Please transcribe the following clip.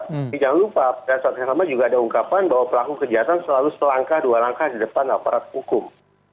tapi jangan lupa pada saat yang sama juga ada ungkapan bahwa pelaku kejahatan selalu selangkah dua langkah di depan aparat hukum